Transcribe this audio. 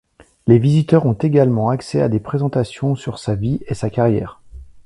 Les visiteurs ont également accès à des présentations sur sa vie et sa carrière.